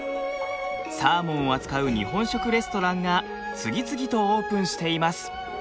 サーモンを扱う日本食レストランが次々とオープンしています。